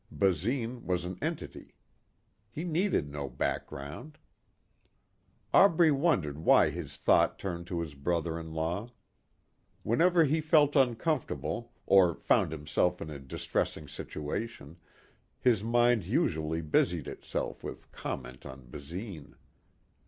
Basine was an entity. He needed no background. Aubrey wondered why his thought turned to his brother in law. Whenever he felt uncomfortable, or found himself in a distressing situation, his mind usually busied itself with comment on Basine.